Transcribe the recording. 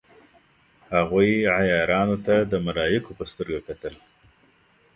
هغوی عیارانو ته د ملایکو په سترګه ګوري.